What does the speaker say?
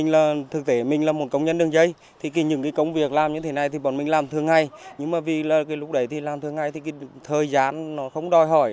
lúc đấy thì làm thường ngày thì thời gian nó không đòi hỏi